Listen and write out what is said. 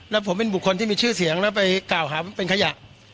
แล้วผมเป็นบุคคลที่มีชื่อเสียงแล้วไปกล่าวหาว่าเป็นขยะ